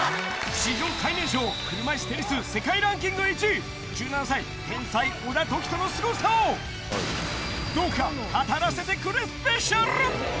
史上最年少、車いすテニス世界ランキング１位、１７歳、天才小田凱人のすごさを、どうか、語らせてくれスペシャル。